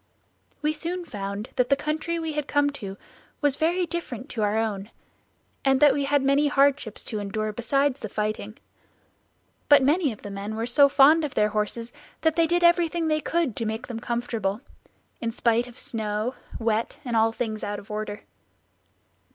"We soon found that the country we had come to was very different from our own and that we had many hardships to endure besides the fighting; but many of the men were so fond of their horses that they did everything they could to make them comfortable in spite of snow, wet, and all things out of order."